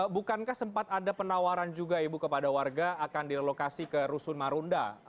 bukankah sempat ada penawaran juga ibu kepada warga akan direlokasi ke rusun marunda